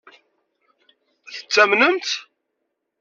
Tettamnem-tt?